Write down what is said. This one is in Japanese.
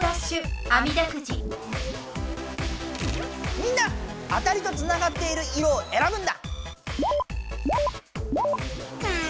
みんなあたりとつながっている色をえらぶんだ。